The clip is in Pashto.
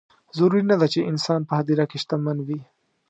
ضروري نه ده چې انسان په هدیره کې شتمن وي.